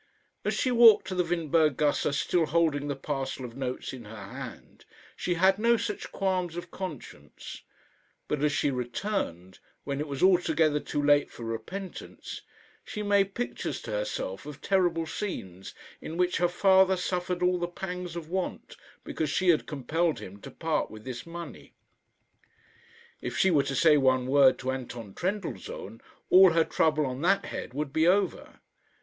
As she walked to the Windberg gasse, still holding the parcel of notes in her hand, she had no such qualms of conscience; but as she returned, when it was altogether too late for repentance, she made pictures to herself of terrible scenes in which her father suffered all the pangs of want, because she had compelled him to part with this money. If she were to say one word to Anton Trendellsohn, all her trouble on that head would be over.